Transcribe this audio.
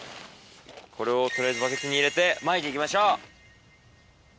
これを取りあえずバケツに入れてまいて行きましょう。